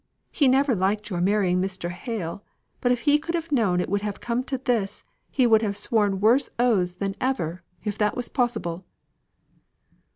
he never liked your marrying Mr. Hale, but if he could have known it would have come to this, he would have sworn worse oaths than ever, if that was possible!